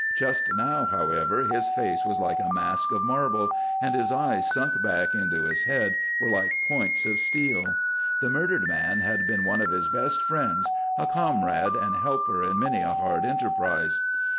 Just now, however, his face was like a mask of marble, and his eyes, sunk back into his head, were like points of steel. The murdered man had been one of his best friends, a comrade and helper in many a hard enterprise.